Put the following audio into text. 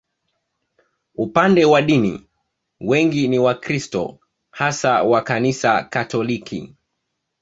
Upande wa dini, wengi ni Wakristo, hasa wa Kanisa Katoliki.